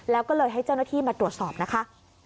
แล้วก็เลยให้เจ้าหน้าที่มาตรวจสอบนะคะ